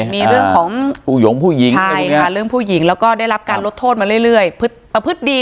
มีเรื่องภูมิปุ่ยงเรื่องผู้หญิงแล้วก็ได้รับการลดโทษมาเรื่อยเป็นควรประพฤติดี